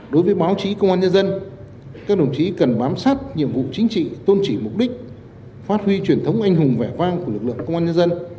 đối với báo chí công an nhân dân các đồng chí cần bám sát nhiệm vụ chính trị tôn trị mục đích phát huy truyền thống anh hùng vẻ vang của lực lượng công an nhân dân